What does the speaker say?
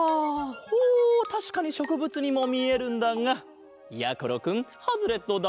ほうたしかにしょくぶつにもみえるんだがやころくんハズレットだ。